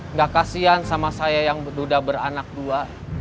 nggak kasihan sama saya yang duda beranak dua